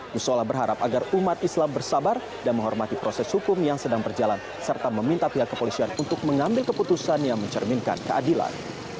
gusola berharap agar umat islam bersabar dan menghormati proses hukum yang sedang berjalan serta meminta pihak kepolisian untuk mengambil keputusan yang mencerminkan keadilan